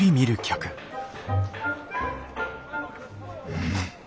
うん。